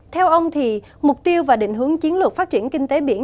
theo ông thì mục tiêu và định hướng chiến lược phát triển kinh tế biển